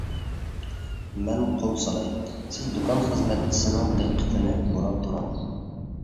مەن قول سالاي، سىز دۇكان خىزمەتچىسىنىڭ دىققىتىنى بۇراپ تۇرۇڭ.